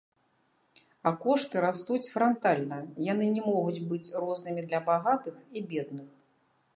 А кошты растуць франтальна, яны не могуць быць рознымі для багатых і бедных.